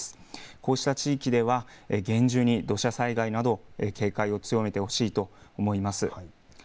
こうした地域では厳重に土砂災害など警戒を強めてほしいと思います。